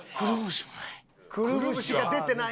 くるぶしが出てない？